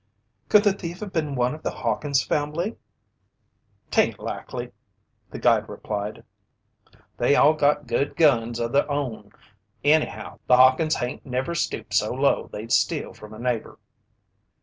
"Could the thief have been one of the Hawkins family?" "'Tain't likely," the guide replied. "They all got good guns o' their own. Anyhow, the Hawkins' hain't never stooped so low they'd steal from a neighbor."